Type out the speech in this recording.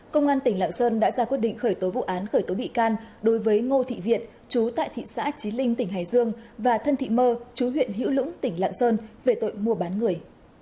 công an tỉnh lạng sơn đã ra quyết định khởi tố vụ án khởi tố bị can đối với ngô thị viện chú tại thị xã trí linh tỉnh hải dương và thân thị mơ chú huyện hữu lũng tỉnh lạng sơn về tội mua bán người